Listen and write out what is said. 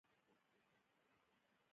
خو زه بدرنګه نه یم